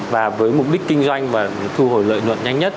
và với mục đích kinh doanh và thu hồi lợi nhuận nhanh nhất